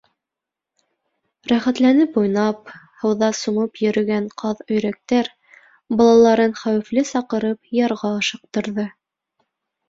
Рәхәтләнеп уйнап, һыуҙа сумып йөрөгән ҡаҙ-өйрәктәр балаларын хәүефле саҡырып, ярға ашыҡтырҙы.